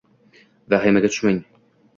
Vahimaga tushmang